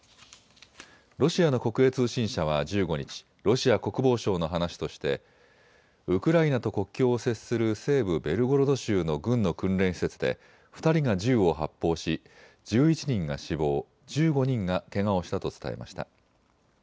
ロシアの国営通信社は１５日、ロシア国防省の話としてウクライナと国境を接する西部ベルゴロド州の軍の訓練施設で２人が銃を発砲し１１人が死亡、１５人がけがをしたと伝えました。